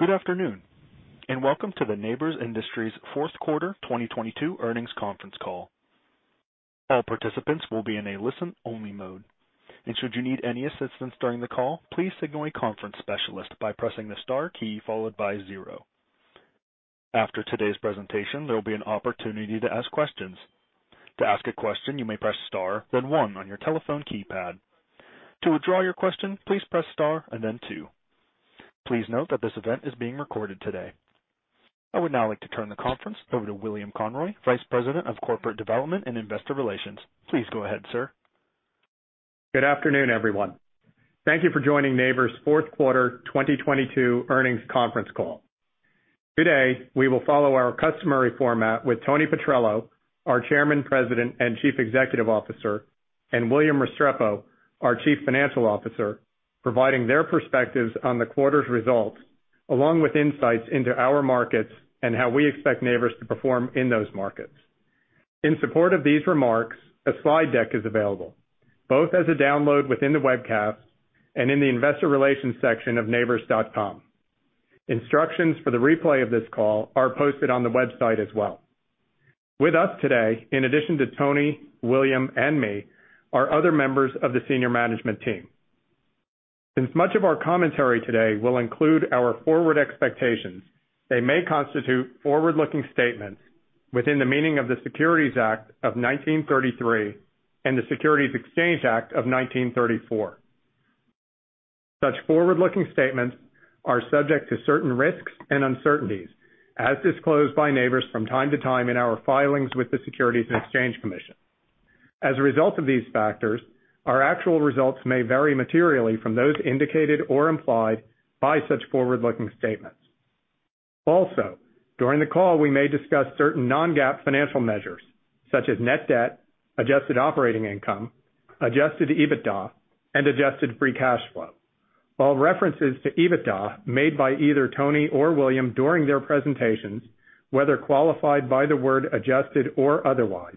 Good afternoon, welcome to the Nabors Industries fourth quarter 2022 earnings conference call. All participants will be in a listen-only mode. Should you need any assistance during the call, please signal a conference specialist by pressing the star key followed by zero. After today's presentation, there will be an opportunity to ask questions. To ask a question, you may press star, then one on your telephone keypad. To withdraw your question, please press star and then two. Please note that this event is being recorded today. I would now like to turn the conference over to William Conroy, Vice President of Corporate Development and Investor Relations. Please go ahead, sir. Good afternoon, everyone. Thank you for joining Nabors fourth quarter 2022 earnings conference call. Today, we will follow our customary format with Tony Petrello, our Chairman, President, and Chief Executive Officer, and William Restrepo, our Chief Financial Officer, providing their perspectives on the quarter's results, along with insights into our markets and how we expect Nabors to perform in those markets. In support of these remarks, a slide deck is available, both as a download within the webcast and in the investor relations section of nabors.com. Instructions for the replay of this call are posted on the website as well. With us today, in addition to Tony, William, and me, are other members of the senior management team. Since much of our commentary today will include our forward expectations, they may constitute forward-looking statements within the meaning of the Securities Act of 1933 and the Securities Exchange Act of 1934. Such forward-looking statements are subject to certain risks and uncertainties, as disclosed by Nabors from time to time in our filings with the Securities and Exchange Commission. As a result of these factors, our actual results may vary materially from those indicated or implied by such forward-looking statements. During the call, we may discuss certain non-GAAP financial measures such as net debt, adjusted operating income, adjusted EBITDA, and adjusted free cash flow. All references to EBITDA made by either Tony or William during their presentations, whether qualified by the word adjusted or otherwise,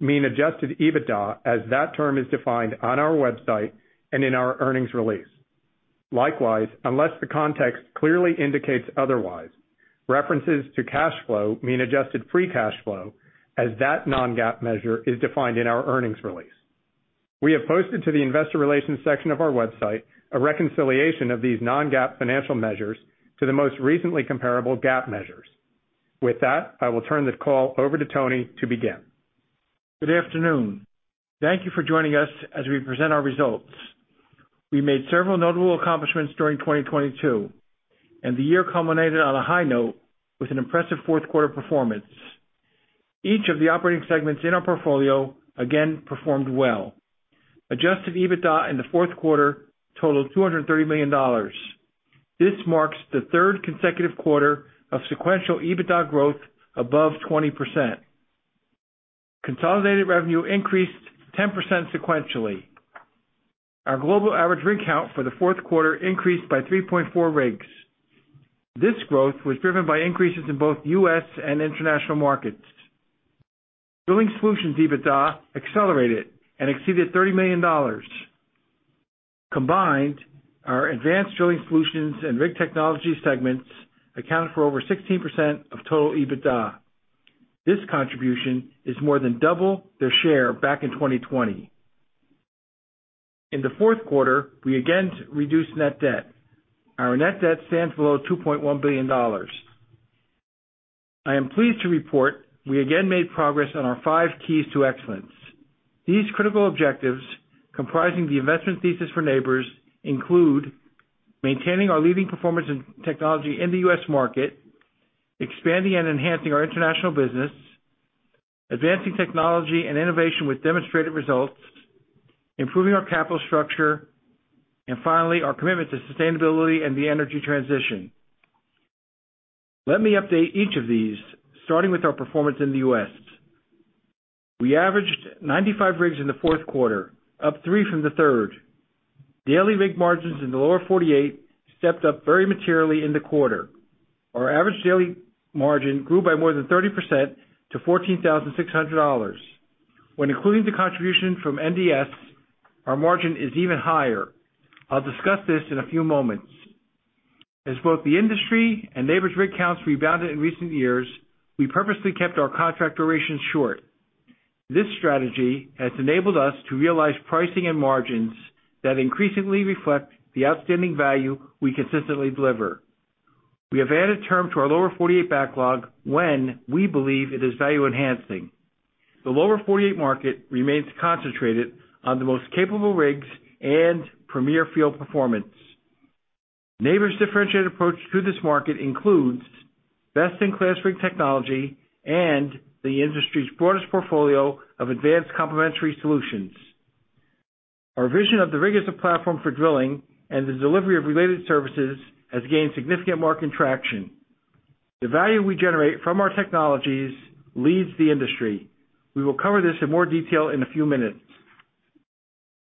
mean adjusted EBITDA as that term is defined on our website and in our earnings release. Likewise, unless the context clearly indicates otherwise, references to cash flow mean adjusted free cash flow as that non-GAAP measure is defined in our earnings release. We have posted to the investor relations section of our website a reconciliation of these non-GAAP financial measures to the most recently comparable GAAP measures. With that, I will turn this call over to Tony to begin. Good afternoon. Thank you for joining us as we present our results. We made several notable accomplishments during 2022, and the year culminated on a high note with an impressive fourth quarter performance. Each of the operating segments in our portfolio again performed well. Adjusted EBITDA in the fourth quarter totaled $230 million. This marks the third consecutive quarter of sequential EBITDA growth above 20%. Consolidated revenue increased 10% sequentially. Our global average rig count for the fourth quarter increased by 3.4 rigs. This growth was driven by increases in both U.S. and international markets. Drilling Solutions EBITDA accelerated and exceeded $30 million. Combined, our advanced Drilling Solutions and Rig Technologies segments accounted for over 16% of total EBITDA. This contribution is more than double their share back in 2020. In the fourth quarter, we again reduced net debt. Our net debt stands below $2.1 billion. I am pleased to report we again made progress on our Five Keys to Excellence. These critical objectives, comprising the investment thesis for Nabors, include maintaining our leading performance in technology in the U.S. market, expanding and enhancing our international business, advancing technology and innovation with demonstrated results, improving our capital structure, and finally, our commitment to sustainability and the energy transition. Let me update each of these, starting with our performance in the U.S. We averaged 95 rigs in the fourth quarter, up three from the third. Daily rig margins in the Lower 48 stepped up very materially in the quarter. Our average daily margin grew by more than 30% to $14,600. When including the contribution from NDS, our margin is even higher. I'll discuss this in a few moments. As both the industry and Nabors' rig counts rebounded in recent years, we purposely kept our contract durations short. This strategy has enabled us to realize pricing and margins that increasingly reflect the outstanding value we consistently deliver. We have added term to our lower 48 backlog when we believe it is value-enhancing. The lower 48 market remains concentrated on the most capable rigs and premier field performance. Nabors' differentiated approach to this market includes best-in-class rig technology and the industry's broadest portfolio of advanced complementary solutions. Our vision of the rig as a platform for drilling and the delivery of related services has gained significant market traction. The value we generate from our technologies leads the industry. We will cover this in more detail in a few minutes.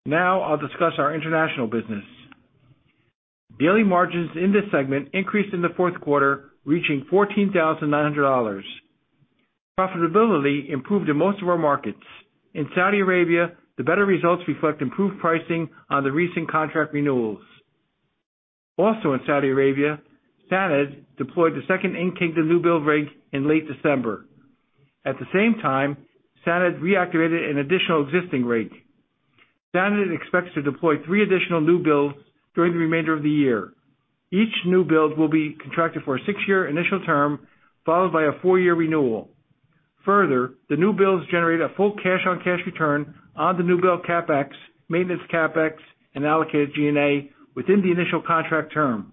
Now I'll discuss our international business. Daily margins in this segment increased in the fourth quarter, reaching $14,900. Profitability improved in most of our markets. In Saudi Arabia, the better results reflect improved pricing on the recent contract renewals. In Saudi Arabia, Sanad deployed the second in-kind new build rig in late December. At the same time, Sanad reactivated an additional existing rig. Sanad expects to deploy three additional new builds during the remainder of the year. Each new build will be contracted for a six-year initial term, followed by a four-year renewal. The new builds generate a full cash-on-cash return on the new build CapEx, maintenance CapEx, and allocated G&A within the initial contract term.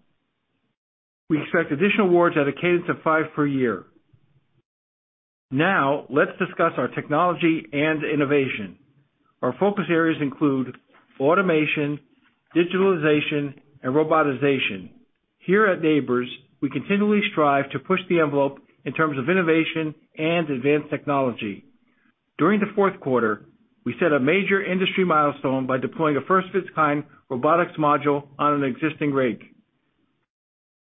We expect additional awards at a cadence of five per year. Let's discuss our technology and innovation. Our focus areas include automation, digitalization, and robotization. Here at Nabors, we continually strive to push the envelope in terms of innovation and advanced technology. During the fourth quarter, we set a major industry milestone by deploying a first-of-its-kind robotics module on an existing rig.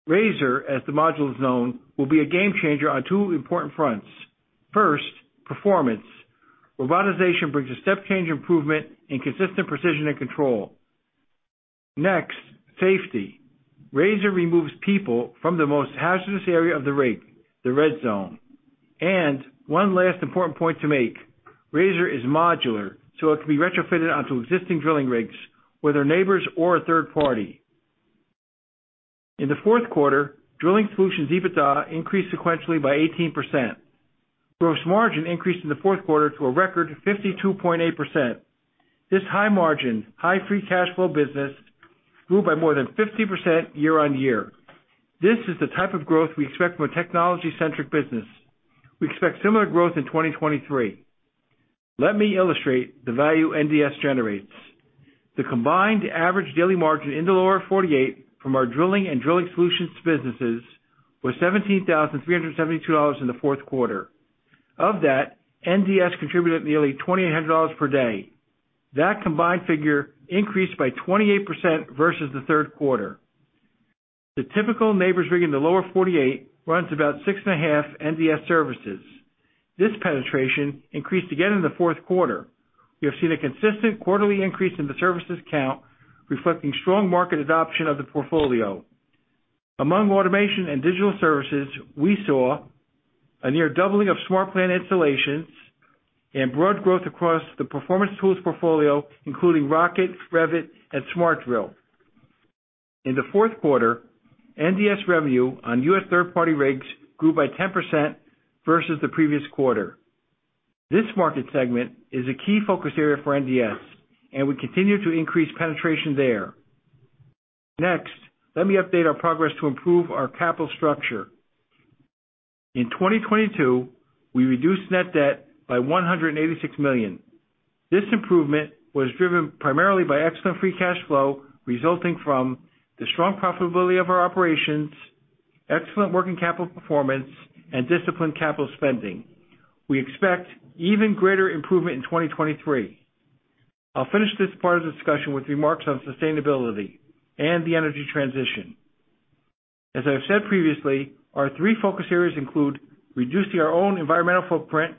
Razor, as the module is known, will be a game changer on two important fronts. First, performance. Robotization brings a step change improvement in consistent precision and control. Next, safety. Razor removes people from the most hazardous area of the rig, the red zone. One last important point to make. Razor is modular, so it can be retrofitted onto existing drilling rigs, whether Nabors or a third party. In the fourth quarter, Drilling Solutions EBITDA increased sequentially by 18%. Gross margin increased in the fourth quarter to a record 52.8%. This high margin, high free cash flow business grew by more than 50% year-on-year. This is the type of growth we expect from a technology-centric business. We expect similar growth in 2023. Let me illustrate the value NDS generates. The combined average daily margin in the Lower 48 from our drilling and Drilling Solutions businesses was $17,372 in the fourth quarter. Of that, NDS contributed nearly $2,800 per day. That combined figure increased by 28% versus the third quarter. The typical Nabors rig in the Lower 48 runs about six and a half NDS services. This penetration increased again in the fourth quarter. We have seen a consistent quarterly increase in the services count, reflecting strong market adoption of the portfolio. Among automation and digital services, we saw a near doubling of SmartPLAN installations and broad growth across the performance tools portfolio, including ROCKit, REVit, and SmartDRILL. In the fourth quarter, NDS revenue on U.S. third-party rigs grew by 10% versus the previous quarter. This market segment is a key focus area for NDS, and we continue to increase penetration there. Next, let me update our progress to improve our capital structure. In 2022, we reduced net debt by $186 million. This improvement was driven primarily by excellent free cash flow resulting from the strong profitability of our operations, excellent working capital performance, and disciplined capital spending. We expect even greater improvement in 2023. I'll finish this part of the discussion with remarks on sustainability and the energy transition. As I have said previously, our three focus areas include reducing our own environmental footprint,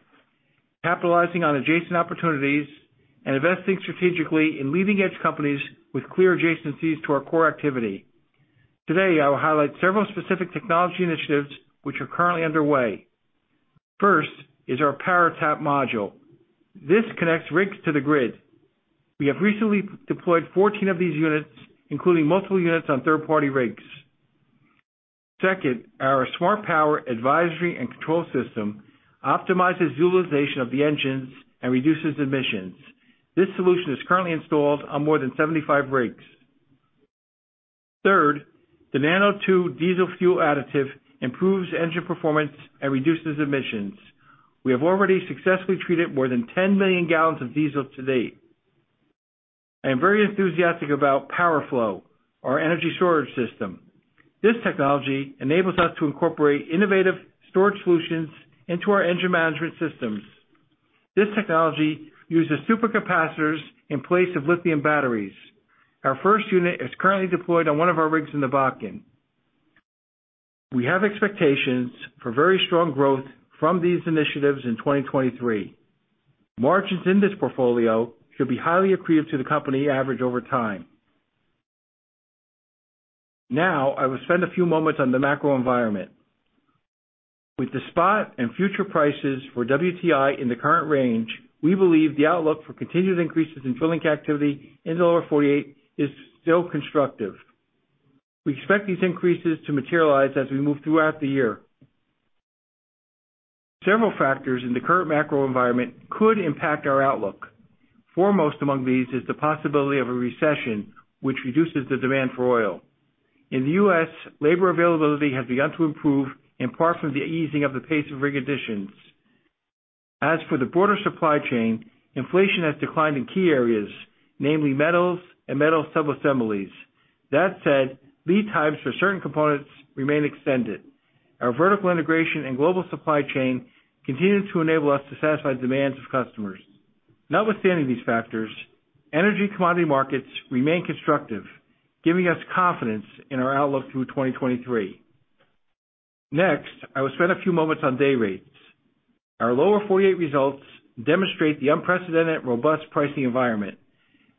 capitalizing on adjacent opportunities, and investing strategically in leading-edge companies with clear adjacencies to our core activity. Today, I will highlight several specific technology initiatives which are currently underway. First is our PowerTAP module. This connects rigs to the grid. We have recently deployed 14 of these units, including multiple units on third-party rigs. Second, our SmartPOWER advisory and control system optimizes utilization of the engines and reduces emissions. This solution is currently installed on more than 75 rigs. Third, the nanO2 diesel fuel additive improves engine performance and reduces emissions. We have already successfully treated more than 10 million gallons of diesel to date. I am very enthusiastic about PowerFLOW, our energy storage system. This technology enables us to incorporate innovative storage solutions into our engine management systems. This technology uses super capacitors in place of lithium batteries. Our first unit is currently deployed on one of our rigs in the Bakken. We have expectations for very strong growth from these initiatives in 2023. Margins in this portfolio should be highly accretive to the company average over time. Now, I will spend a few moments on the macro environment. With the spot and future prices for WTI in the current range, we believe the outlook for continued increases in drilling activity in the lower 48 is still constructive. We expect these increases to materialize as we move throughout the year. Several factors in the current macro environment could impact our outlook. Foremost among these is the possibility of a recession, which reduces the demand for oil. In the U.S., labor availability has begun to improve, in part from the easing of the pace of rig additions. As for the broader supply chain, inflation has declined in key areas, namely metals and metal subassemblies. That said, lead times for certain components remain extended. Our vertical integration and global supply chain continue to enable us to satisfy demands of customers. Notwithstanding these factors, energy commodity markets remain constructive, giving us confidence in our outlook through 2023. I will spend a few moments on day rates. Our lower forty-eight results demonstrate the unprecedented robust pricing environment.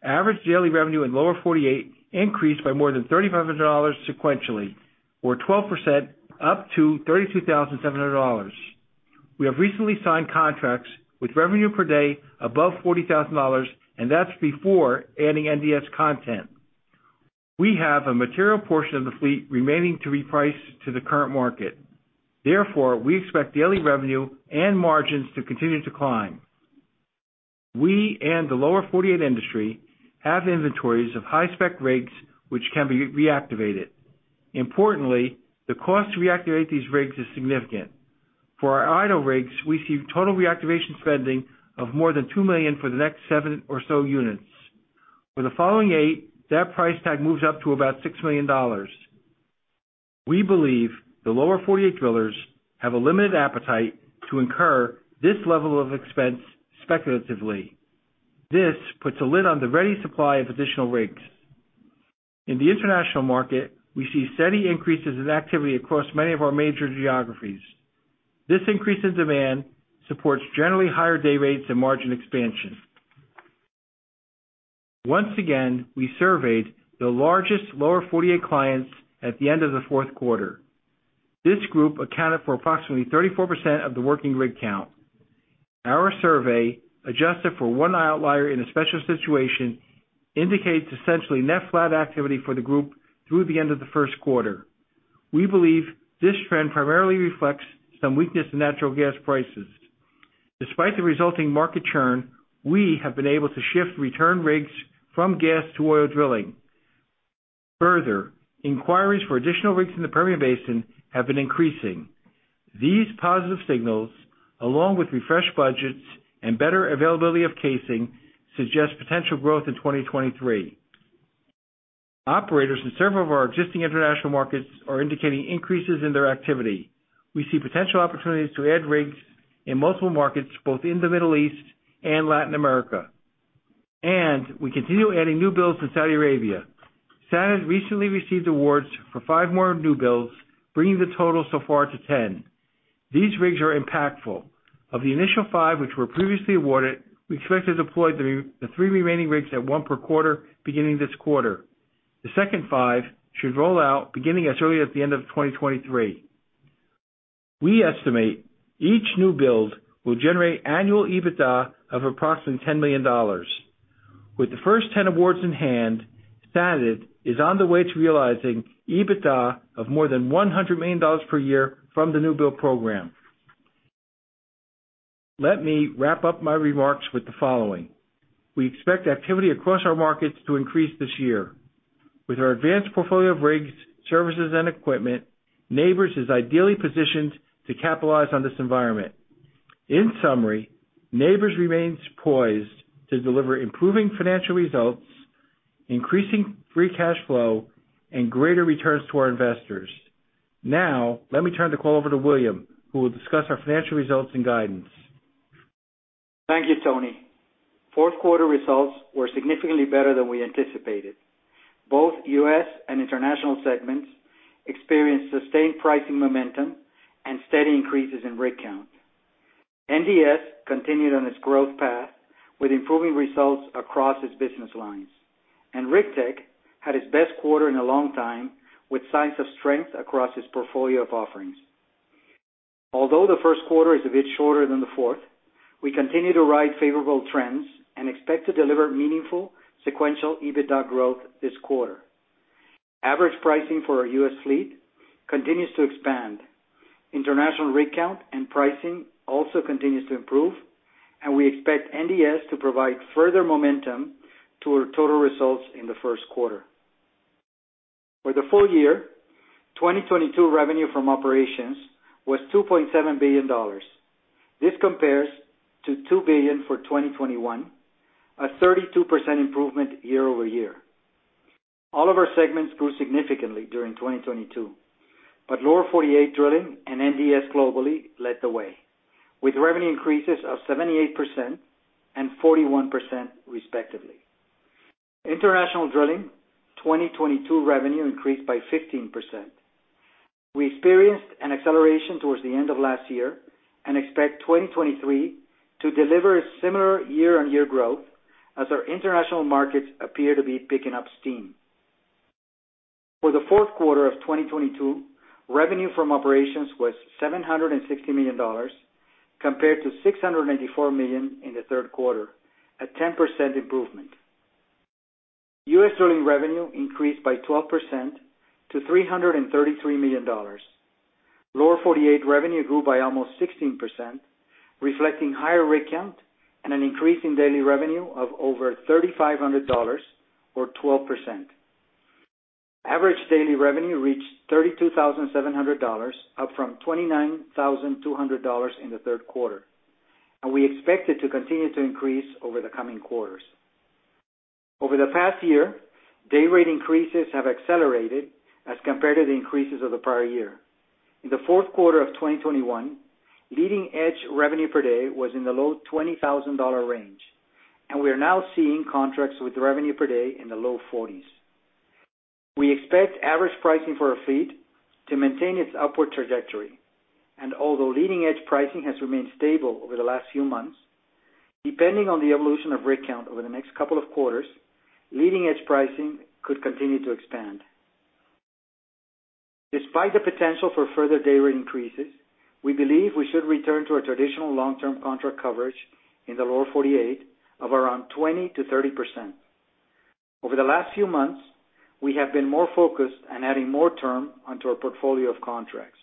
Average daily revenue in lower forty-eight increased by more than $3,500 sequentially or 12% up to $32,700. We have recently signed contracts with revenue per day above $40,000, and that's before adding NDS content. We have a material portion of the fleet remaining to reprice to the current market. We expect daily revenue and margins to continue to climb. We and the lower forty-eight industry have inventories of high-spec rigs which can be reactivated. The cost to reactivate these rigs is significant. For our idle rigs, we see total reactivation spending of more than $2 million for the next seven or so units. For the following eight, that price tag moves up to about $6 million. We believe the lower 48 drillers have a limited appetite to incur this level of expense speculatively. This puts a lid on the ready supply of additional rigs. In the international market, we see steady increases in activity across many of our major geographies. This increase in demand supports generally higher day rates and margin expansion. Once again, we surveyed the largest lower 48 clients at the end of the fourth quarter. This group accounted for approximately 34% of the working rig count. Our survey, adjusted for one outlier in a special situation, indicates essentially net flat activity for the group through the end of the first quarter. We believe this trend primarily reflects some weakness in natural gas prices. Despite the resulting market churn, we have been able to shift return rigs from gas to oil drilling. Inquiries for additional rigs in the Permian Basin have been increasing. These positive signals, along with refreshed budgets and better availability of casing, suggest potential growth in 2023. Operators in several of our existing international markets are indicating increases in their activity. We see potential opportunities to add rigs in multiple markets, both in the Middle East and Latin America. We continue adding new builds in Saudi Arabia. Saudis recently received awards for five more new builds, bringing the total so far to 10. These rigs are impactful. Of the initial five, which were previously awarded, we expect to deploy the three remaining rigs at one per quarter, beginning this quarter. The second five should roll out beginning as early as the end of 2023. We estimate each new build will generate annual EBITDA of approximately $10 million. With the first 10 awards in hand, Sanad is on the way to realizing EBITDA of more than $100 million per year from the new build program. Let me wrap up my remarks with the following. We expect activity across our markets to increase this year. With our advanced portfolio of rigs, services, and equipment, Nabors is ideally positioned to capitalize on this environment. In summary, Nabors remains poised to deliver improving financial results, increasing free cash flow, and greater returns to our investors. Let me turn the call over to William, who will discuss our financial results and guidance. Thank you, Tony. Fourth quarter results were significantly better than we anticipated. Both U.S. and international segments experienced sustained pricing momentum and steady increases in rig count. NDS continued on its growth path with improving results across its business lines, and Rig Tech had its best quarter in a long time with signs of strength across its portfolio of offerings. Although the first quarter is a bit shorter than the fourth, we continue to ride favorable trends and expect to deliver meaningful sequential EBITDA growth this quarter. Average pricing for our U.S. fleet continues to expand. International rig count and pricing also continues to improve, and we expect NDS to provide further momentum to our total results in the first quarter. For the full year, 2022 revenue from operations was $2.7 billion. This compares to $2 billion for 2021, a 32% improvement year-over-year. All of our segments grew significantly during 2022. Lower 48 drilling and NDS globally led the way, with revenue increases of 78% and 41%, respectively. International drilling, 2022 revenue increased by 15%. We experienced an acceleration towards the end of last year and expect 2023 to deliver similar year-on-year growth as our international markets appear to be picking up steam. For the fourth quarter of 2022, revenue from operations was $760 million compared to $694 million in the third quarter, a 10% improvement. U.S. drilling revenue increased by 12% to $333 million. Lower 48 revenue grew by almost 16%, reflecting higher rig count and an increase in daily revenue of over $3,500 or 12%. Average daily revenue reached $32,700, up from $29,200 in the third quarter, and we expect it to continue to increase over the coming quarters. Over the past year, day rate increases have accelerated as compared to the increases of the prior year. In the fourth quarter of 2021, leading edge revenue per day was in the low $20,000 range, and we are now seeing contracts with revenue per day in the low $40s. We expect average pricing for our fleet to maintain its upward trajectory. Although leading edge pricing has remained stable over the last few months, depending on the evolution of rig count over the next couple of quarters, leading edge pricing could continue to expand. Despite the potential for further day rate increases, we believe we should return to a traditional long-term contract coverage in the lower 48 of around 20%-30%. Over the last few months, we have been more focused on adding more term onto our portfolio of contracts.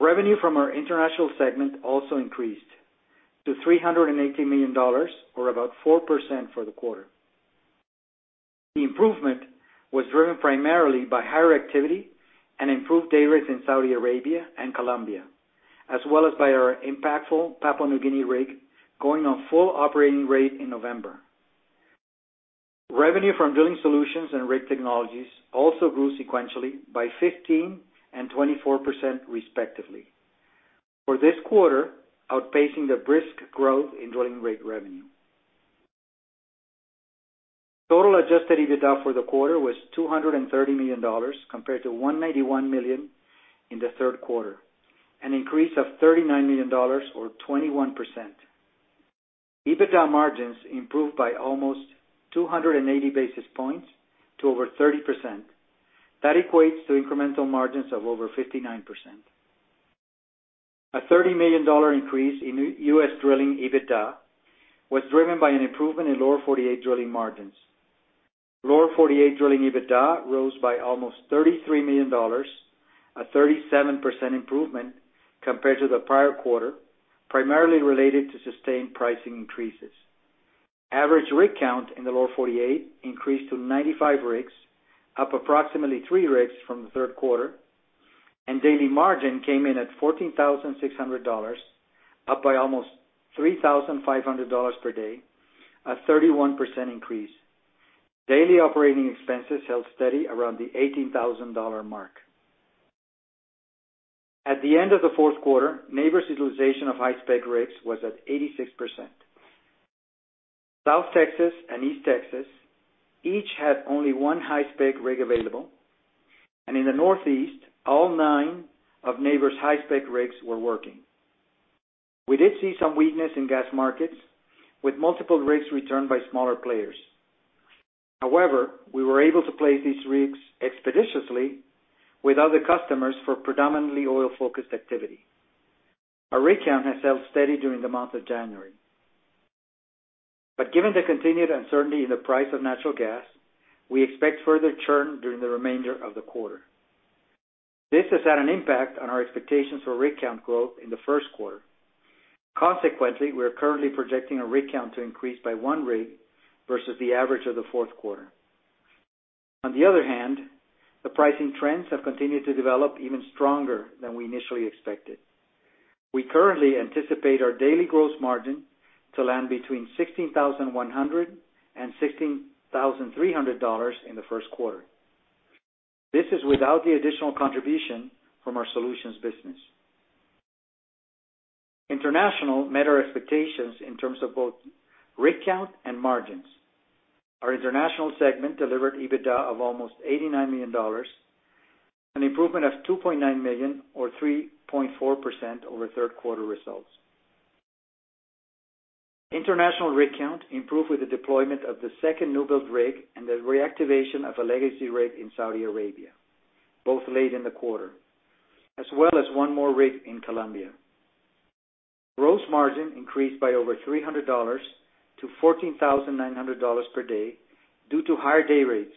Revenue from our international segment also increased to $380 million or about 4% for the quarter. The improvement was driven primarily by higher activity and improved day rates in Saudi Arabia and Colombia, as well as by our impactful Papua New Guinea rig going on full operating rate in November. Revenue from Drilling Solutions and Rig Technologies also grew sequentially by 15% and 24%, respectively. For this quarter, outpacing the brisk growth in drilling rig revenue. Total adjusted EBITDA for the quarter was $230 million compared to $191 million in the third quarter, an increase of $39 million or 21%. EBITDA margins improved by almost 280 basis points to over 30%. That equates to incremental margins of over 59%. A $30 million increase in U.S. drilling EBITDA was driven by an improvement in Lower 48 drilling margins. Lower 48 drilling EBITDA rose by almost $33 million, a 37% improvement compared to the prior quarter, primarily related to sustained pricing increases. Average rig count in the lower 48 increased to 95 rigs, up approximately three rigs from the third quarter. Daily margin came in at $14,600, up by almost $3,500 per day, a 31% increase. Daily operating expenses held steady around the $18,000 mark. At the end of the fourth quarter, Nabors' utilization of high-spec rigs was at 86%. South Texas and East Texas each had only one high-spec rig available. In the Northeast, all nine of Nabors' high-spec rigs were working. We did see some weakness in gas markets with multiple rigs returned by smaller players. However, we were able to place these rigs expeditiously with other customers for predominantly oil-focused activity. Our rig count has held steady during the month of January. Given the continued uncertainty in the price of natural gas, we expect further churn during the remainder of the quarter. This has had an impact on our expectations for rig count growth in the first quarter. Consequently, we are currently projecting a rig count to increase by one rig versus the average of the fourth quarter. On the other hand, the pricing trends have continued to develop even stronger than we initially expected. We currently anticipate our daily gross margin to land between $16,100-$16,300 in the first quarter. This is without the additional contribution from our solutions business. International met our expectations in terms of both rig count and margins. Our international segment delivered EBITDA of almost $89 million, an improvement of $2.9 million or 3.4% over third quarter results. International rig count improved with the deployment of the second newbuild rig and the reactivation of a legacy rig in Saudi Arabia, both late in the quarter, as well as one more rig in Colombia. Gross margin increased by over $300-$14,900 per day due to higher day rates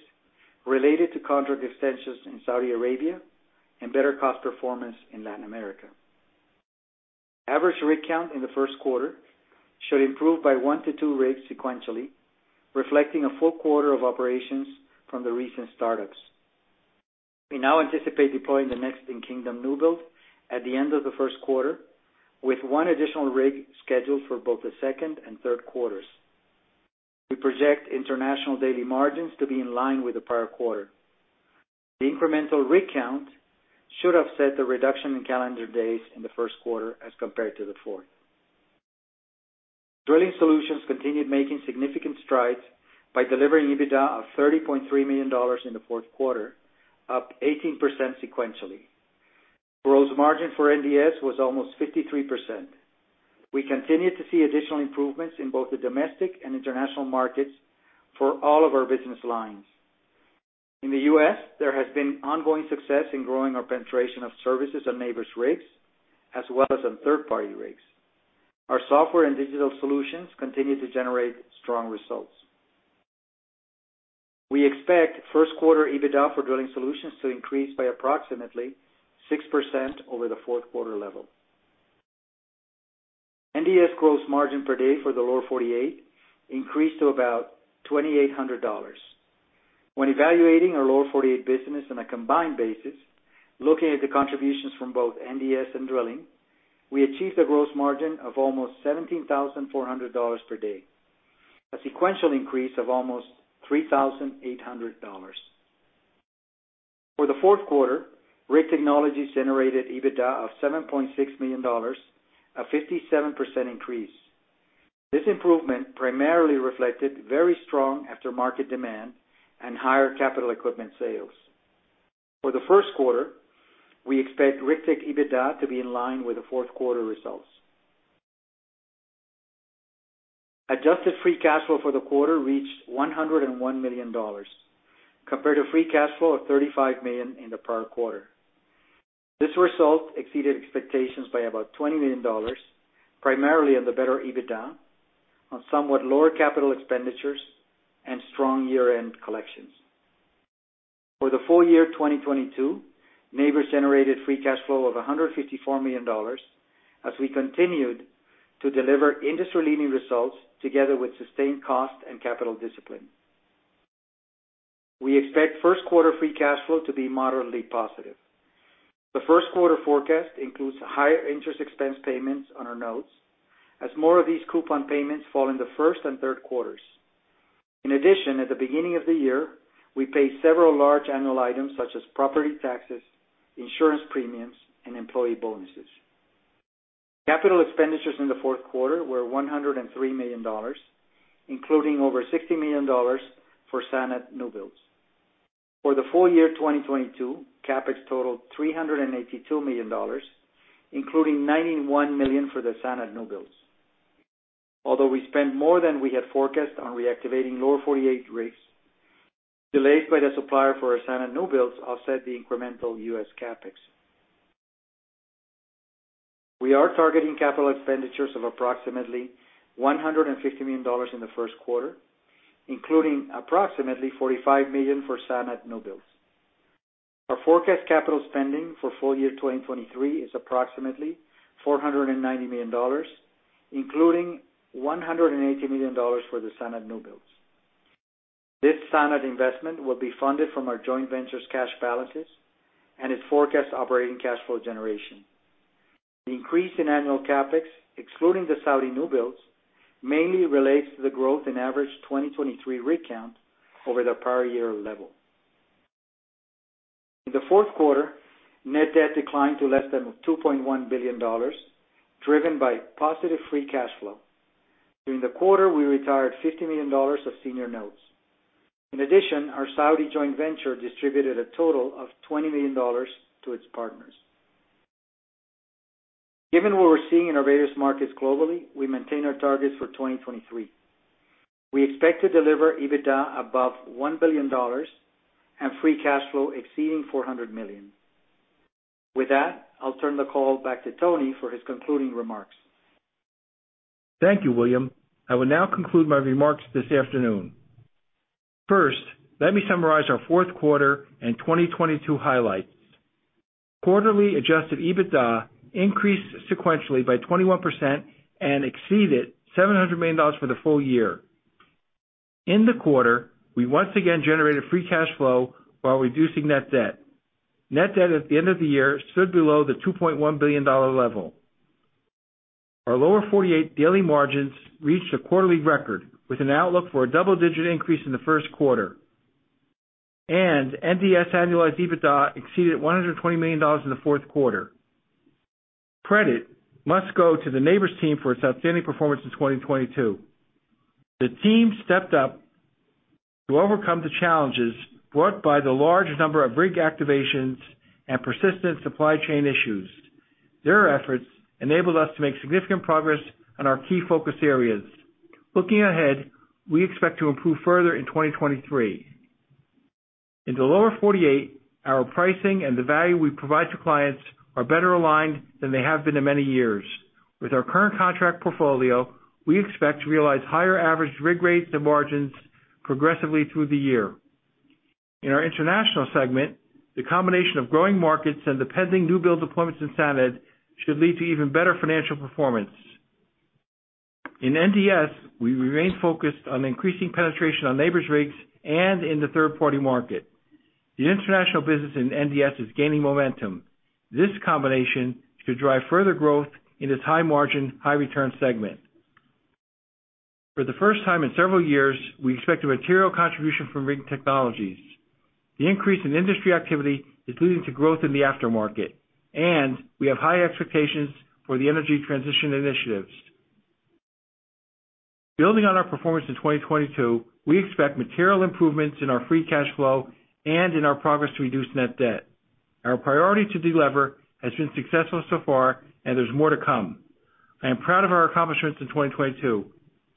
related to contract extensions in Saudi Arabia and better cost performance in Latin America. Average rig count in the first quarter should improve by 1 -2 rigs sequentially, reflecting a full quarter of operations from the recent startups. We now anticipate deploying the next in-Kingdom newbuild at the end of the first quarter, with one additional rig scheduled for both the second and third quarters. We project international daily margins to be in line with the prior quarter. The incremental rig count should have set the reduction in calendar days in the first quarter as compared to the fourth. Drilling Solutions continued making significant strides by delivering EBITDA of $30.3 million in the fourth quarter, up 18% sequentially. Gross margin for NDS was almost 53%. We continue to see additional improvements in both the domestic and international markets for all of our business lines. In the U.S., there has been ongoing success in growing our penetration of services on Nabors' rigs as well as on third-party rigs. Our software and digital solutions continue to generate strong results. We expect first quarter EBITDA for Drilling Solutions to increase by approximately 6% over the fourth quarter level. NDS gross margin per day for the Lower 48 increased to about $2,800. When evaluating our Lower 48 business on a combined basis, looking at the contributions from both NDS and drilling, we achieved a gross margin of almost $17,400 per day, a sequential increase of almost $3,800. For the fourth quarter, Rig Technologies generated EBITDA of $7.6 million, a 57% increase. This improvement primarily reflected very strong aftermarket demand and higher capital equipment sales. For the first quarter, we expect RigTech EBITDA to be in line with the fourth quarter results. Adjusted free cash flow for the quarter reached $101 million compared to free cash flow of $35 million in the prior quarter. This result exceeded expectations by about $20 million, primarily on the better EBITDA, on somewhat lower CapEx, and strong year-end collections. For the full year 2022, Nabors generated free cash flow of $154 million as we continued to deliver industry-leading results together with sustained cost and capital discipline. We expect first quarter free cash flow to be moderately positive. The first quarter forecast includes higher interest expense payments on our notes as more of these coupon payments fall in the first and third quarters. In addition, at the beginning of the year, we paid several large annual items such as property taxes, insurance premiums, and employee bonuses. CapEx in the fourth quarter were $103 million, including over $60 million for Saudia new builds. For the full year 2022, CapEx totaled $382 million, including $91 million for the Sanad new builds. Although we spent more than we had forecast on reactivating Lower 48 rigs, delays by the supplier for our Sanad new builds offset the incremental U.S. CapEx. We are targeting capital expenditures of approximately $150 million in the first quarter, including approximately $45 million for Sanad new builds. Our forecast capital spending for full year 2023 is approximately $490 million, including $180 million for the Sanad new builds. This Sanad investment will be funded from our joint ventures cash balances and its forecast operating cash flow generation. The increase in annual CapEx, excluding the Sanad new builds, mainly relates to the growth in average 2023 rig count over the prior year level. In the fourth quarter, net debt declined to less than $2.1 billion, driven by positive free cash flow. During the quarter, we retired $50 million of senior notes. Our Saudi joint venture distributed a total of $20 million to its partners. Given what we're seeing in our various markets globally, we maintain our targets for 2023. We expect to deliver EBITDA above $1 billion and free cash flow exceeding $400 million. With that, I'll turn the call back to Tony for his concluding remarks. Thank you, William. I will now conclude my remarks this afternoon. First, let me summarize our fourth quarter and 2022 highlights. Quarterly adjusted EBITDA increased sequentially by 21% and exceeded $700 million for the full year. In the quarter, we once again generated free cash flow while reducing net debt. Net debt at the end of the year stood below the $2.1 billion level. Our Lower 48 daily margins reached a quarterly record with an outlook for a double-digit increase in the first quarter. NDS annualized EBITDA exceeded $120 million in the fourth quarter. Credit must go to the Nabors team for its outstanding performance in 2022. The team stepped up to overcome the challenges brought by the large number of rig activations and persistent supply chain issues. Their efforts enabled us to make significant progress on our key focus areas. Looking ahead, we expect to improve further in 2023. In the Lower 48, our pricing and the value we provide to clients are better aligned than they have been in many years. With our current contract portfolio, we expect to realize higher average rig rates and margins progressively through the year. In our international segment, the combination of growing markets and the pending new build deployments in Saudia should lead to even better financial performance. In NDS, we remain focused on increasing penetration on Nabors rigs and in the third-party market. The international business in NDS is gaining momentum. This combination should drive further growth in its high margin, high return segment. For the first time in several years, we expect a material contribution from Rig Technologies. The increase in industry activity is leading to growth in the aftermarket, and we have high expectations for the energy transition initiatives. Building on our performance in 2022, we expect material improvements in our free cash flow and in our progress to reduce net debt. Our priority to delever has been successful so far and there's more to come. I am proud of our accomplishments in 2022.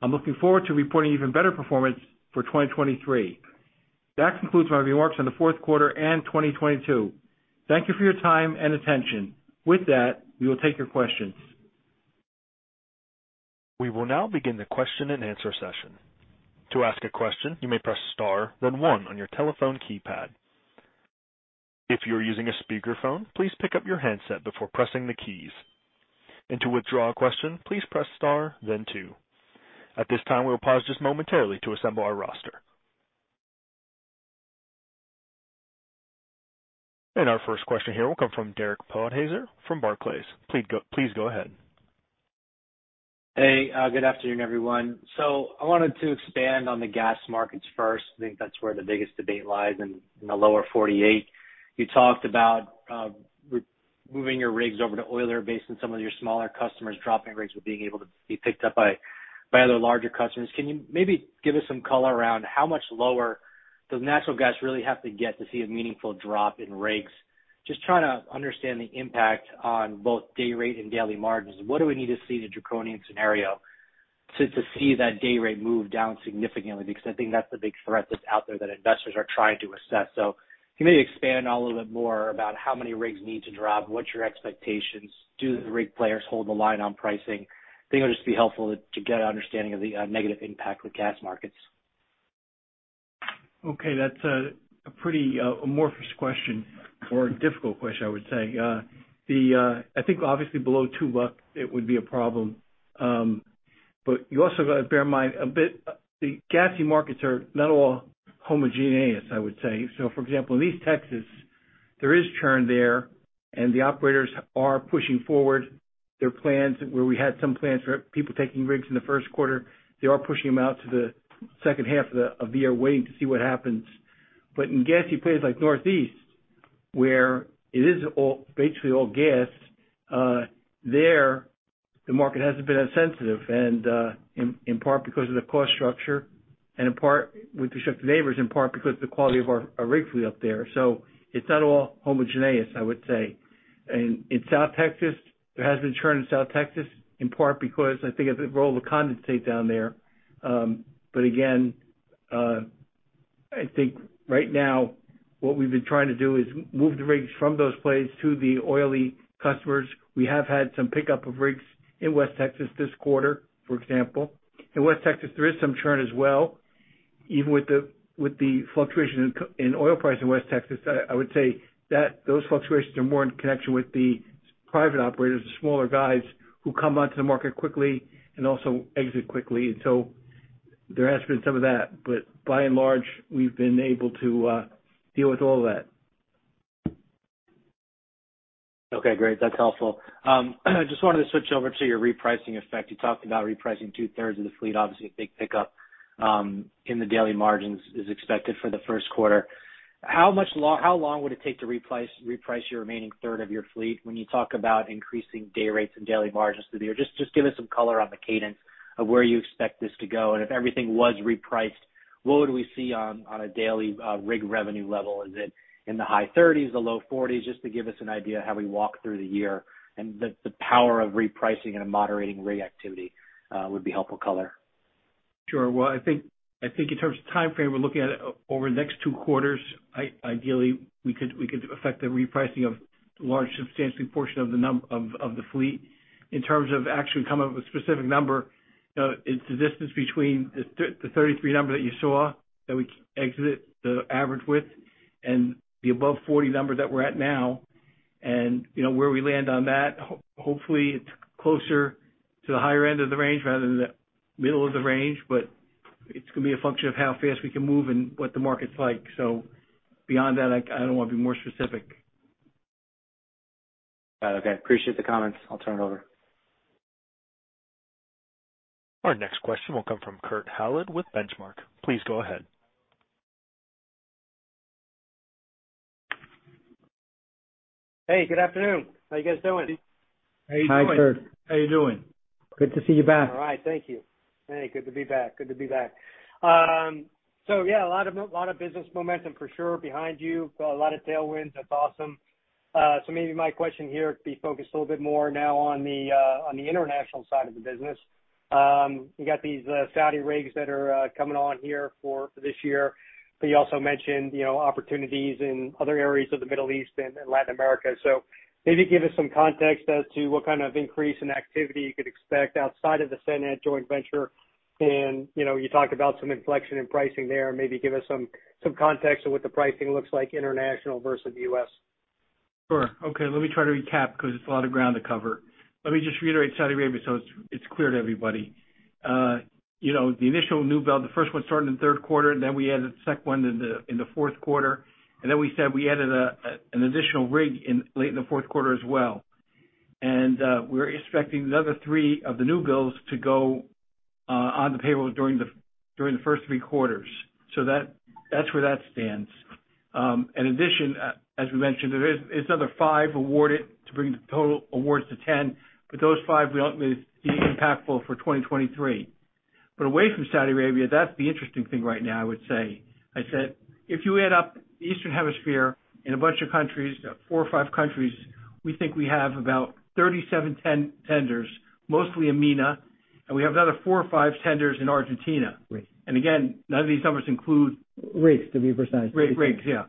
I'm looking forward to reporting even better performance for 2023. That concludes my remarks on the fourth quarter and 2022. Thank you for your time and attention. With that, we will take your questions. We will now begin the question and answer session. To ask a question, you may press star then one on your telephone keypad. If you're using a speakerphone, please pick up your handset before pressing the keys. To withdraw a question, please press star then two. At this time, we'll pause just momentarily to assemble our roster. Our first question here will come from Derek Podhaizer from Barclays. Please go ahead. Hey, good afternoon, everyone. I wanted to expand on the gas markets first. I think that's where the biggest debate lies in the lower 48. You talked about removing your rigs over to oil or based on some of your smaller customers dropping rigs but being able to be picked up by other larger customers. Can you maybe give us some color around how much lower does natural gas really have to get to see a meaningful drop in rigs? Just trying to understand the impact on both day rate and daily margins. What do we need to see the draconian scenario to see that day rate move down significantly? I think that's the big threat that's out there that investors are trying to assess. Can you maybe expand a little bit more about how many rigs need to drop? What's your expectations? Do the rig players hold the line on pricing? I think it'll just be helpful to get an understanding of the negative impact with gas markets. Okay. That's a pretty amorphous question or a difficult question, I would say. I think obviously below $2 it would be a problem. You also gotta bear in mind a bit, the gassy markets are not all homogeneous, I would say. For example, in East Texas, there is churn there, and the operators are pushing forward their plans where we had some plans for people taking rigs in the first quarter, they are pushing them out to the second half of the year, waiting to see what happens. In gassy plays like Northeast, where it is basically all gas, there, the market hasn't been as sensitive and, in part because of the cost structure and in part with the shift to Nabors, in part because of the quality of our rig fleet up there. It's not all homogeneous, I would say. In South Texas, there has been churn in South Texas, in part because I think of the role of the condensate down there. Again, I think right now what we've been trying to do is move the rigs from those plays to the oily customers. We have had some pickup of rigs in West Texas this quarter, for example. In West Texas, there is some churn as well. Even with the fluctuation in oil price in West Texas, I would say that those fluctuations are more in connection with the private operators, the smaller guys, who come onto the market quickly and also exit quickly. There has been some of that. By and large, we've been able to deal with all of that. Okay, great. That's helpful. Just wanted to switch over to your repricing effect. You talked about repricing 2/3 of the fleet, obviously a big pickup in the daily margins is expected for the first quarter. How long would it take to reprice your remaining 1/3 of your fleet when you talk about increasing day rates and daily margins through the year? Just give us some color on the cadence of where you expect this to go, and if everything was repriced, what would we see on a daily rig revenue level? Is it in the high 30s or low 40s? Just to give us an idea of how we walk through the year and the power of repricing and a moderating rig activity would be helpful color. Sure. Well, I think in terms of timeframe, we're looking at it over the next two quarters. Ideally, we could affect the repricing of large, substantial portion of the fleet. In terms of actually coming up with a specific number, it's the distance between the 33 number that you saw that we exit the average with and the above 40 number that we're at now. You know, where we land on that, hopefully it's closer to the higher end of the range rather than the middle of the range, but it's gonna be a function of how fast we can move and what the market's like. Beyond that, I don't wanna be more specific. All right. Okay. Appreciate the comments. I'll turn it over. Our next question will come from Kurt Hallead with Benchmark. Please go ahead. Hey, good afternoon. How you guys doing? How are you doing? Hi, Kurt. How are you doing? Good to see you back. All right. Thank you. Hey, good to be back. Good to be back. Yeah, a lot of business momentum for sure behind you. Got a lot of tailwinds. That's awesome. Maybe my question here be focused a little bit more now on the international side of the business. You got these Saudi rigs that are coming on here for this year, but you also mentioned, you know, opportunities in other areas of the Middle East and Latin America. Maybe give us some context as to what kind of increase in activity you could expect outside of the Sanad joint venture. You know, you talked about some inflection in pricing there. Maybe give us some context of what the pricing looks like international versus US. Sure. Okay. Let me try to recap because it's a lot of ground to cover. Let me just reiterate Saudi Arabia so it's clear to everybody. you know, the initial new build, the first one started in the third quarter, then we added the second one in the fourth quarter. Then we said we added an additional rig in late in the fourth quarter as well. We're expecting another three of the new builds to go on the payroll during the, during the first three quarters. That's where that stands. In addition, as we mentioned, there is, it's another five awarded to bring the total awards to 10, those five will ultimately be impactful for 2023. Away from Saudi Arabia, that's the interesting thing right now, I would say. I said, if you add up the Eastern Hemisphere in a bunch of countries, four or five countries, we think we have about 37 ten-tenders, mostly MENA, and we have another four or five tenders in Argentina. Great. Again, none of these numbers. Rates, to be precise. rates, yeah.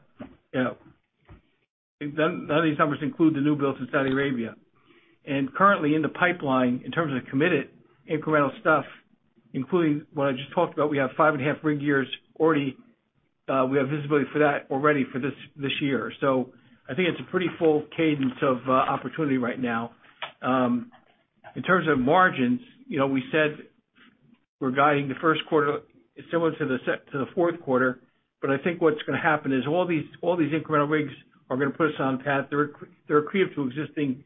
None of these numbers include the new builds in Saudi Arabia. Currently in the pipeline in terms of committed incremental stuff, including what I just talked about, we have 5.5 rig years already, we have visibility for that already for this year. I think it's a pretty full cadence of opportunity right now. In terms of margins, you know, we said we're guiding the first quarter similar to the fourth quarter. I think what's gonna happen is all these incremental rigs are gonna put us on path. They're accretive to existing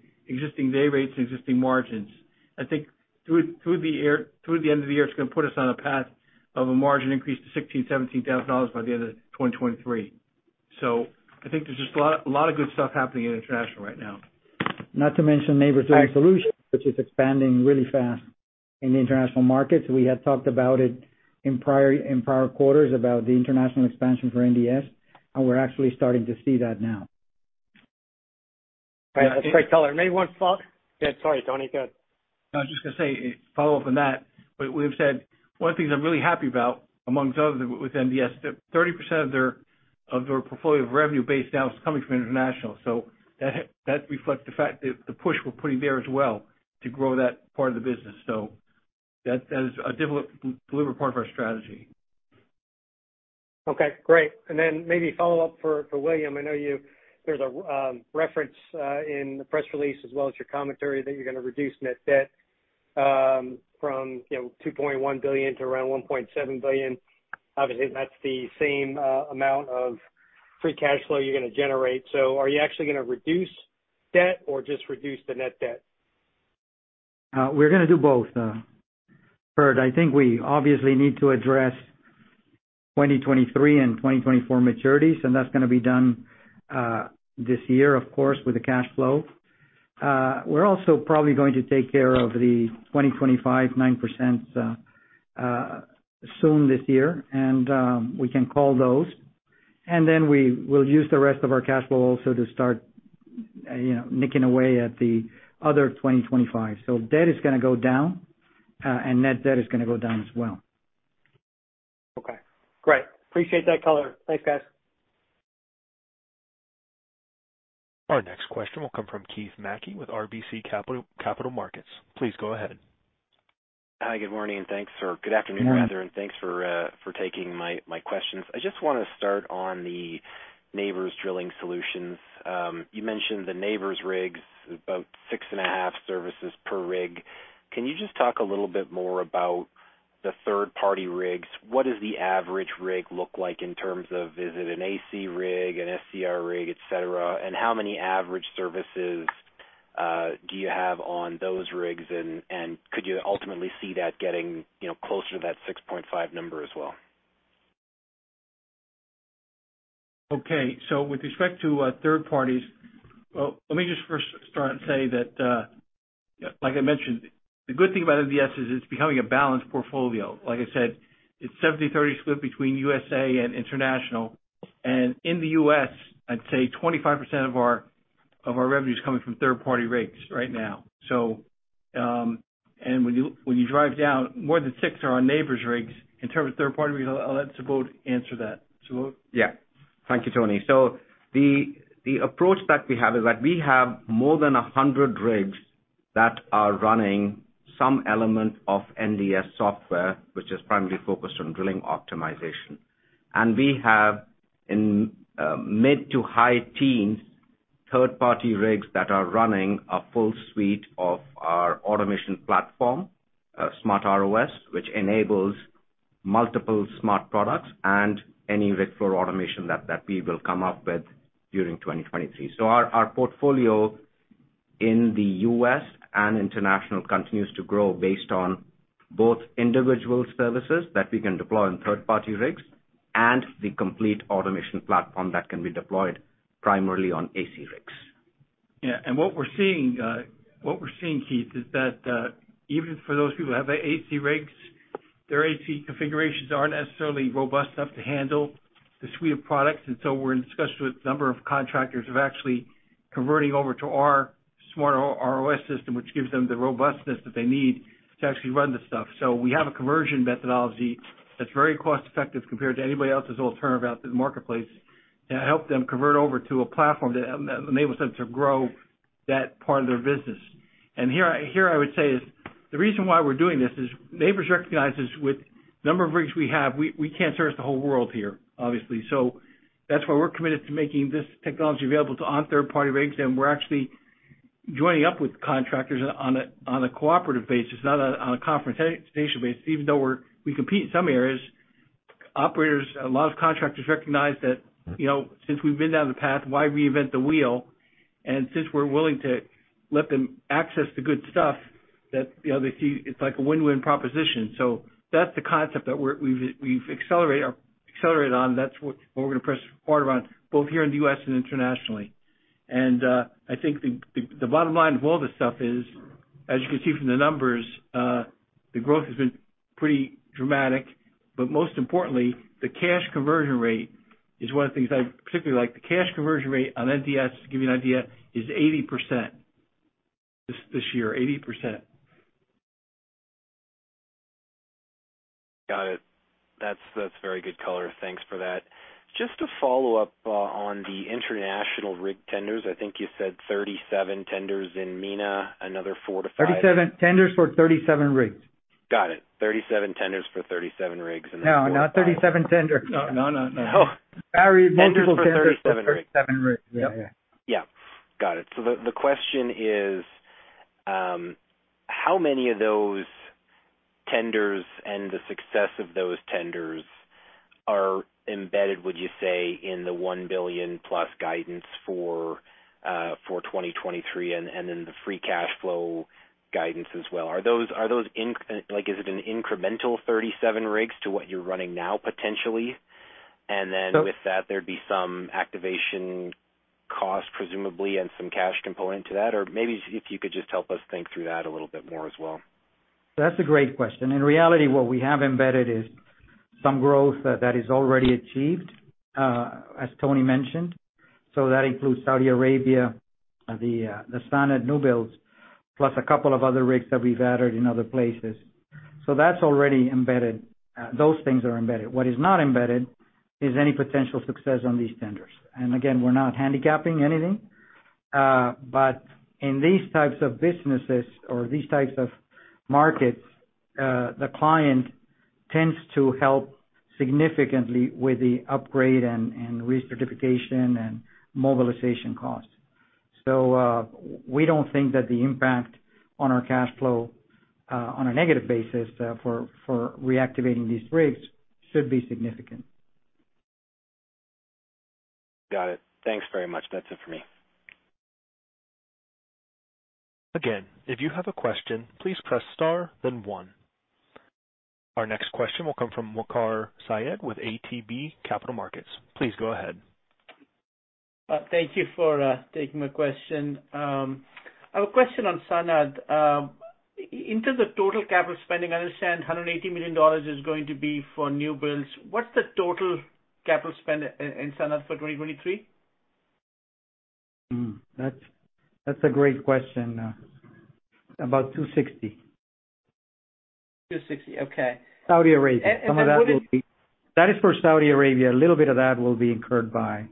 day rates and existing margins. I think through the end of the year, it's gonna put us on a path of a margin increase to $16,000-$17,000 by the end of 2023. I think there's just a lot of good stuff happening in international right now. Not to mention Nabors Drilling Solutions, which is expanding really fast in the international markets. We had talked about it in prior quarters about the international expansion for NDS. We're actually starting to see that now. Right. That's great color. Maybe one. Yeah, sorry, Tony. Go ahead. I was just gonna say, follow up on that, We've said one of the things I'm really happy about amongst others with NDS, that 30% of their, of their portfolio of revenue base now is coming from international. That, that reflects the fact that the push we're putting there as well to grow that part of the business. That is a deliver part of our strategy. Okay, great. Then maybe follow up for William. I know you've referenced in the press release as well as your commentary that you're gonna reduce net debt from, you know, $2.1 billion to around $1.7 billion. Obviously, that's the same amount of free cash flow you're gonna generate. So are you actually gonna reduce debt or just reduce the net debt? We're gonna do both, Kurt. I think we obviously need to address 2023 and 2024 maturities, and that's gonna be done this year, of course, with the cash flow. We're also probably going to take care of the 2025 9% soon this year, and we can call those. We will use the rest of our cash flow also to start, you know, nicking away at the other 2025s. Debt is gonna go down, and net debt is gonna go down as well. Okay, great. Appreciate that color. Thanks, guys. Our next question will come from Keith Mackey with RBC Capital Markets. Please go ahead. Hi, good morning. Good afternoon rather. Good morning. Thanks for taking my questions. I just wanna start on the Nabors Drilling Solutions. You mentioned the Nabors rigs, about 6.5 services per rig. Can you just talk a little bit more about the third-party rigs? What does the average rig look like in terms of is it an AC rig, an SCR rig, et cetera, and how many average services do you have on those rigs and could you ultimately see that getting, you know, closer to that 6.5 number as well? Okay. With respect to third parties, well, let me just first start and say that, like I mentioned, the good thing about NDS is it's becoming a balanced portfolio. Like I said, it's 70-30 split between USA and international. In the U.S., I'd say 25% of our, of our revenue is coming from third party rigs right now. When you drive down, more than six are our Nabors rigs. In terms of third party rigs, I'll let Subho answer that. Subho? Yeah. Thank you, Tony. The approach that we have is that we have more than 100 rigs that are running some element of NDS software, which is primarily focused on drilling optimization. We have in mid to high teens, third-party rigs that are running a full suite of our automation platform, SmartROS, which enables multiple smart products and any rig floor automation that we will come up with during 2023. Our portfolio in the U.S. and international continues to grow based on both individual services that we can deploy on third-party rigs and the complete automation platform that can be deployed primarily on AC rigs. Yeah. What we're seeing, what we're seeing, Keith, is that even for those people who have AC rigs, their AC configurations aren't necessarily robust enough to handle the suite of products. We're in discussions with a number of contractors of actually converting over to our SmartROS system, which gives them the robustness that they need to actually run the stuff. We have a conversion methodology that's very cost effective compared to anybody else's alternative out in the marketplace, to help them convert over to a platform that enables them to grow that part of their business. Here I would say is, the reason why we're doing this is Nabors recognizes with the number of rigs we have, we can't service the whole world here, obviously. That's why we're committed to making this technology available to third party rigs, and we're actually joining up with contractors on a cooperative basis, not on a confrontational basis, even though we compete in some areas. Operators, a lot of contractors recognize that, you know, since we've been down the path, why reinvent the wheel? Since we're willing to let them access the good stuff that, you know, they see it's like a win-win proposition. That's the concept that we've accelerated on. That's what we're gonna press hard on, both here in the U.S. and internationally. I think the bottom line of all this stuff is, as you can see from the numbers, the growth has been pretty dramatic, but most importantly, the cash conversion rate is one of the things I particularly like. The cash conversion rate on NDS, to give you an idea, is 80% this year, 80%. That's very good color. Thanks for that. Just to follow up on the international rig tenders, I think you said 37 tenders in MENA, another 4-5- 37 tenders for 37 rigs. Got it. 37 tenders for 37 rigs and then. No, not 37 tenders. No, no, no. Oh. Tenders for 37 rigs. 37 rigs. Yeah, yeah. Yeah. Got it. The question is, how many of those tenders and the success of those tenders are embedded, would you say, in the $1 billion plus guidance for 2023 and then the free cash flow guidance as well? Are those, like, is it an incremental 37 rigs to what you're running now, potentially? With that, there'd be some activation cost, presumably, and some cash component to that? Maybe if you could just help us think through that a little bit more as well. That's a great question. In reality, what we have embedded is some growth that is already achieved, as Tony mentioned. That includes Saudi Arabia, the Sanad new builds, plus a couple of other rigs that we've added in other places. That's already embedded. Those things are embedded. What is not embedded is any potential success on these tenders. Again, we're not handicapping anything. In these types of businesses or these types of markets, the client tends to help significantly with the upgrade and recertification and mobilization costs. We don't think that the impact on our cash flow, on a negative basis, for reactivating these rigs should be significant. Got it. Thanks very much. That's it for me. Again, if you have a question, please press star then one. Our next question will come from Waqar Syed with ATB Capital Markets. Please go ahead. Thank you for taking my question. I have a question on Sanad. In terms of total capital spending, I understand $180 million is going to be for new builds. What's the total capital spend in Sanad for 2023? That's a great question. about $2.60. $2.60. Okay. Saudi Arabia. Some of that will be- What is- That is for Saudi Arabia. A little bit of that will be incurred by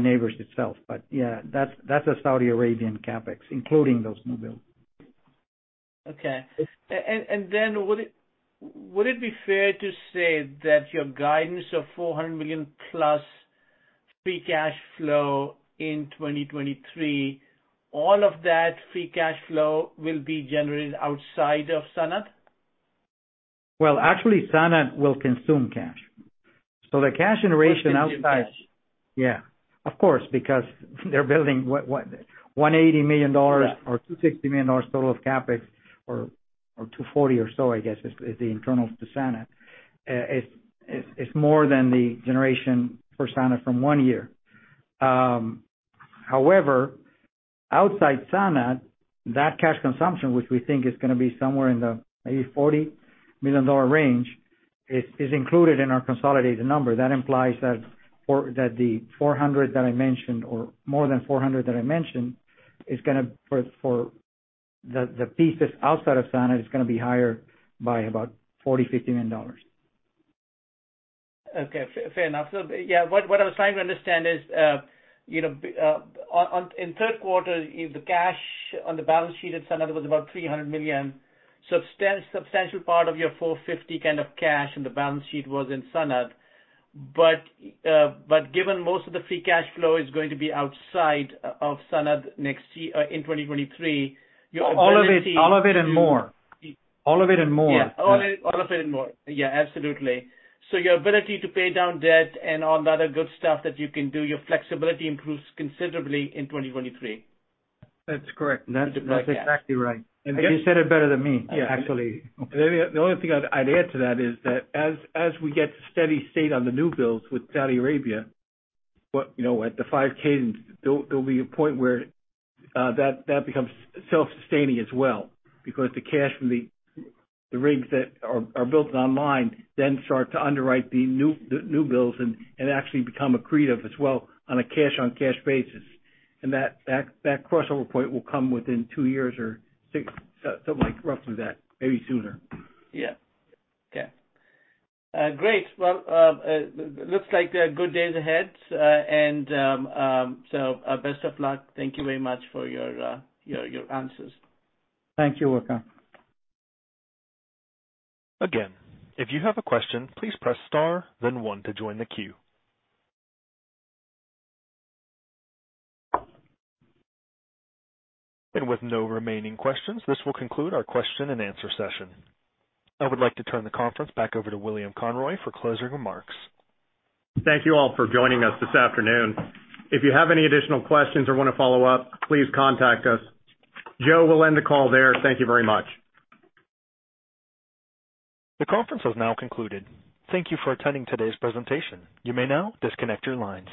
Nabors itself. Yeah, that's a Saudi Arabian CapEx, including those new builds. Then would it be fair to say that your guidance of $400 million plus free cash flow in 2023, all of that free cash flow will be generated outside of Sanad? Well, actually, Sanad will consume cash. The cash generation outside. Yeah. Of course, because they're building what, $180 million or $260 million total of CapEx or $240 million or so, I guess, is the internals to Sanad. It's more than the generation for Sanad from one year. However, outside Sanad, that cash consumption, which we think is gonna be somewhere in the maybe $40 million range, is included in our consolidated number. That implies that the $400 that I mentioned or more than $400 that I mentioned is gonna for the pieces outside of Sanad it's gonna be higher by about $40 million-$50 million. Okay. Fair, fair enough. What I was trying to understand is, on in third quarter, if the cash on the balance sheet at Sanad was about $300 million, substantial part of your $450 million kind of cash on the balance sheet was in Sanad. Given most of the free cash flow is going to be outside of Sanad next year, in 2023, your ability to- All of it. All of it and more. All of it and more. Yeah, all of it, all of it and more. Yeah, absolutely. Your ability to pay down debt and all the other good stuff that you can do, your flexibility improves considerably in 2023. That's correct. That's exactly right. You said it better than me. Yeah. Actually. The only thing I'd add to that is that as we get to steady state on the new builds with Saudi Arabia, you know, at the five cadence, there'll be a point where that becomes self-sustaining as well. Because the cash from the rigs that are built online then start to underwrite the new builds and actually become accretive as well on a cash on cash basis. That crossover point will come within two years or six. Something like roughly that, maybe sooner. Yeah. Okay. Great. Well, looks like there are good days ahead. Best of luck. Thank you very much for your answers. Thank you, Waqar. Again, if you have a question, please press star then one to join the queue. With no remaining questions, this will conclude our question and answer session. I would like to turn the conference back over to William Conroy for closing remarks. Thank you all for joining us this afternoon. If you have any additional questions or wanna follow up, please contact us. Joe, we'll end the call there. Thank you very much. The conference has now concluded. Thank you for attending today's presentation. You may now disconnect your lines.